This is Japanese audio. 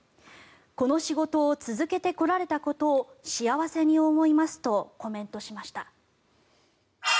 この仕事を続けてこられたことを幸せに思いますとコメントしました。